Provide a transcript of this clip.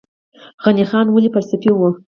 غني خان ولې فلسفي و؟